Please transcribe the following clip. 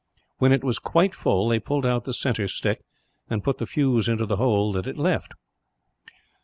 When it was quite full, they pulled out the centre stick, and put the fuse into the hole that it left."